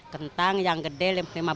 kentang yang gede rp lima